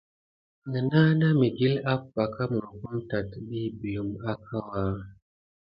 Nenana mikile apaka munokum tate kidi belma akawuya naour kilen.